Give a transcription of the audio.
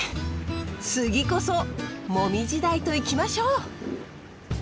次こそモミジダイといきましょう！